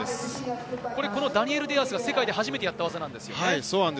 ダニエル・デアースが世界で初めてやった技ですね。